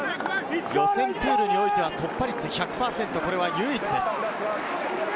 予選プールにおいては突破率１００％、これは唯一です。